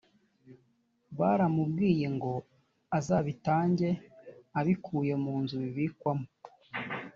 baramubwiye ngo azabitange abikuye mu nzu bibikwamo